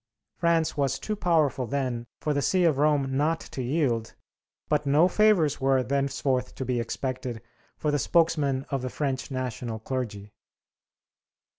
France was too powerful then for the see of Rome not to yield, but no favors were thenceforth to be expected for the spokesman of the French national clergy.